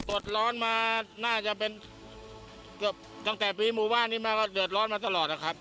ดร้อนมาน่าจะเป็นเกือบตั้งแต่ปีหมู่บ้านนี้มาก็เดือดร้อนมาตลอดนะครับ